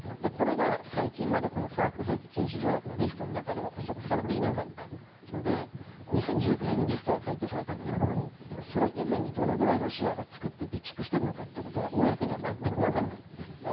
これが最近まで化学兵器禁止条約のリストの中では捕捉されてなかったので２０１９年にリストが改定されたんですがそれ以前にどれくらいロシアが作って備蓄しているかは公には全くわからないんです。